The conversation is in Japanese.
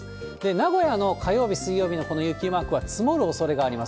名古屋の火曜日、水曜日のこの雪マークは積もるおそれがあります。